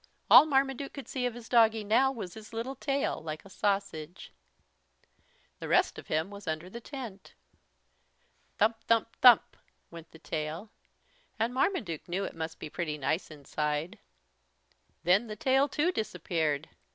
All Marmaduke could see of his doggie now was his little tail like a sausage. The rest of him was under the tent. Thump thump thump went the tail. And Marmaduke knew it must be pretty nice inside. Then the tail, too, disappeared.